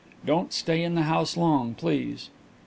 Don't stay in the house long, please."